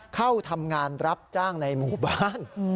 เข้าทำงานรับจ้างในหมู่บ้าน